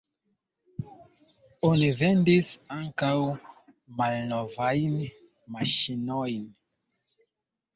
Oni vendis ankaŭ malnovajn maŝinojn.